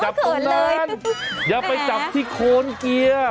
ตรงนั้นอย่าไปจับที่โคนเกียร์